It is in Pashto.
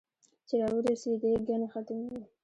چې را ورېسېدې ګنې ختم وې